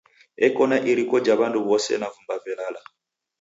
Eko na iriko ja w'andu w'ose na vumba velala.